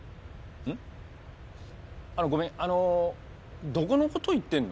ごめんあのどこのことを言ってるの？